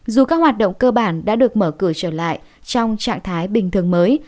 dù các hoạt động cơ bản đã được mở cửa trở lại trong trạng thái bình thường mới